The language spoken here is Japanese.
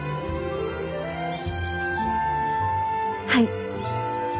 はい。